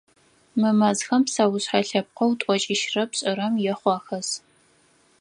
Мы мэзхэм псэушъхьэ лъэпкъэу тӏокӏищрэ пшӏырэм ехъу ахэс.